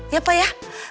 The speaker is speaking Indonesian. ya pak ya